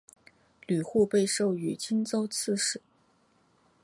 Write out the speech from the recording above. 吕护被授予冀州刺史。